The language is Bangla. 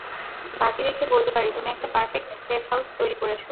বাজি রেখে বলতে পারি তুমি একটা পারফেক্ট সেফ হাউস তৈরি করেছ।